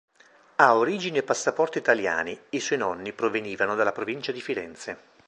Ha origini e passaporto italiani, i suoi nonni provenivano dalla provincia di Firenze.